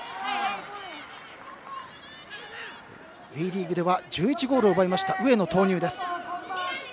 ＷＥリーグでは１１ゴールを奪った上野を投入です。